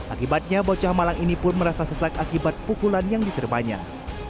akibatnya bocah malang ini pun merasa sesak akibat pukulan yang diterbanyak